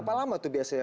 berapa lama itu biasanya